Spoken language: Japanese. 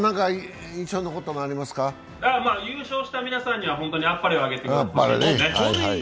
優勝した皆さんには本当にあっぱれをあげてくだい。